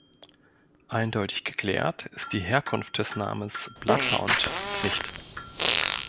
Eindeutig geklärt ist die Herkunft des Namens "Bloodhound" nicht.